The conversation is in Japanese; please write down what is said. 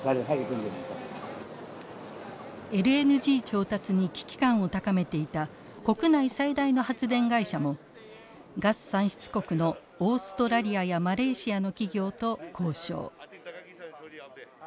ＬＮＧ調達に危機感を高めていた国内最大の発電会社もガス産出国のオーストラリアやマレーシアの企業と交渉。